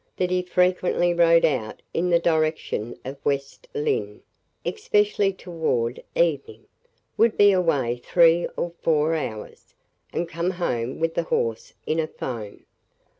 That he frequently rode out in the direction of West Lynne, especially toward evening; would be away three or four hours, and come home with the horse in a foam.